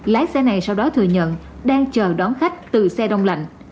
lái xe này sau đó thừa nhận đang chờ đón khách từ xe đông lạnh